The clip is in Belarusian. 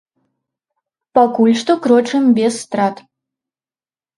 Пакуль што крочым без страт.